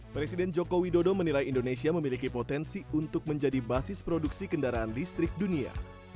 presiden joko widodo menilai indonesia memiliki potensi untuk menjadi basis produksi kendaraan listrik dunia